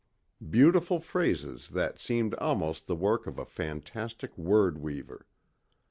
Beautiful phrases that seemed almost the work of a fantastic word weaver.